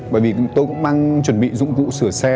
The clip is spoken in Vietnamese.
bởi vì tôi cũng đang chuẩn bị dụng cụ sửa xe